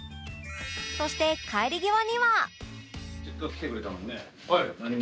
そして帰り際には